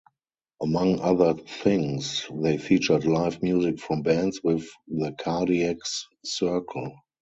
Among other things, they featured live music from bands within the Cardiacs circle.